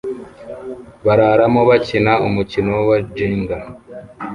bararamo bakina umukino wa Jenga